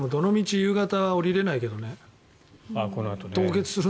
夕方は下りれないけどね。